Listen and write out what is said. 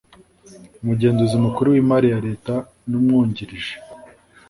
Umugenzuzi Mukuru w’Imari ya Leta n’Umwungirije